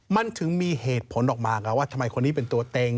มันถึงมีเหตุผลออกมาไงว่าทำไมคนนี้เป็นตัวเต็ง